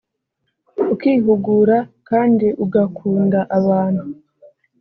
ukihugura kandi ugakunda abantu